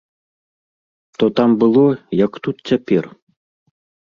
То там было, як тут цяпер.